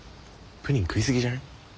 プリン食いすぎじゃね？